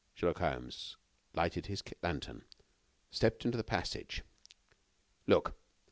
Sherlock Holmes lighted his lantern, and stepped into the passage. "Look!